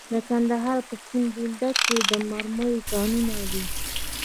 د کندهار په سپین بولدک کې د مرمرو کانونه دي.